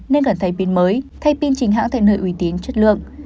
nên cần thay pin mới thay pin chính hãng thay nơi uy tín chất lượng